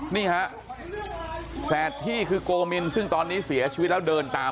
นี่ฮะแฝดพี่คือโกมินซึ่งตอนนี้เสียชีวิตแล้วเดินตาม